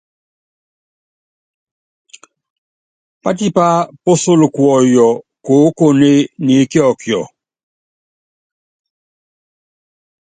Pátipá pátaka kuɔyɔ koókone ni íkiɔkiɔ.